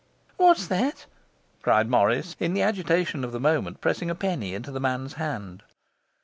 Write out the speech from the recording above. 'What's that?' cried Morris, in the agitation of the moment pressing a penny into the man's hand.